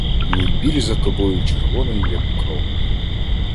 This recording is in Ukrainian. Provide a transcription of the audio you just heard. Мій біль за тобою червоний, як кров.